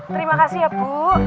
terima kasih ya bu